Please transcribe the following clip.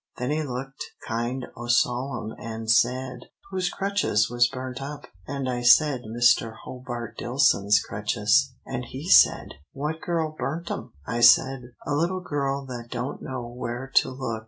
'Then he looked kind o' solemn, an' said, 'Whose crutches was burnt up?' An' I said, 'Mr. Hobart Dillson's crutches,' an' he said, 'What girl burnt 'em?' I said, 'A little girl that don't know where to look.'